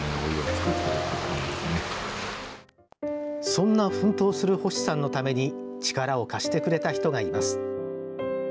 そんな奮闘する星さんのために力を貸してくれた人がいます。